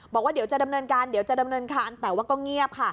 บอกว่าเดี๋ยวจะดำเนินการแต่ว่าก็เงียบค่ะ